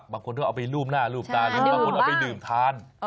บางคนเอาไปลูบหน้าลูบตาบางคนเอาไปดื่มทาน